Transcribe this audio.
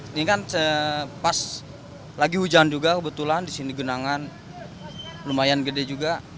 ini kan pas lagi hujan juga kebetulan di sini genangan lumayan gede juga